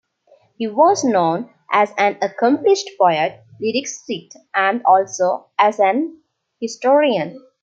He was known as an accomplished poet, lyricist and also as an historian.